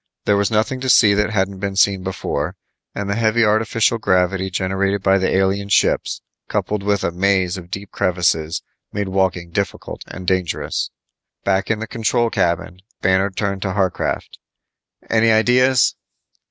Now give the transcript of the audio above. There was nothing to see that hadn't been seen before, and the heavy artificial gravity generated by the alien ships coupled with a maze of deep crevices made walking difficult and dangerous. Back in the control cabin, Banner turned to Harcraft, "Any ideas?"